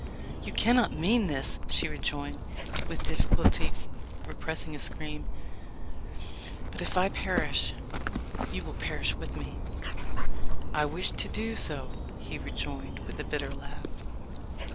"You cannot mean this," she rejoined, with difficulty repressing a scream; "but if I perish, you will perish with me." "I wish to do so," he rejoined, with a bitter laugh.